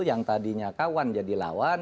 yang tadinya kawan jadi lawan